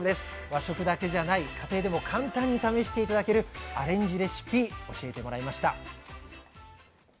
和食だけじゃない家庭でも簡単に試して頂けるアレンジレシピ教えてもらいました。